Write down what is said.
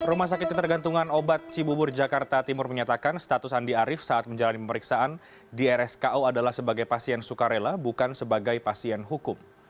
rumah sakit ketergantungan obat cibubur jakarta timur menyatakan status andi arief saat menjalani pemeriksaan di rsko adalah sebagai pasien sukarela bukan sebagai pasien hukum